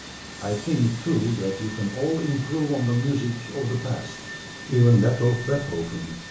I think, too, that you can all improve on the music of the past even that of Beethoven.